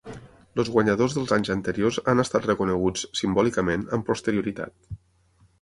Els guanyadors dels anys anteriors han estat reconeguts, simbòlicament, amb posterioritat.